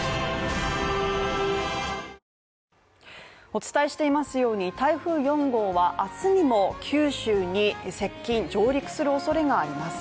お伝えしていますように台風４号は明日にも九州に接近上陸するおそれがあります。